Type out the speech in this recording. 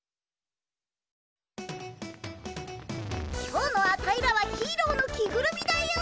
今日のアタイらはヒーローの着ぐるみだよ！